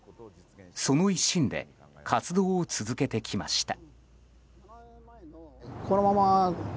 その一心で活動を続けてきました。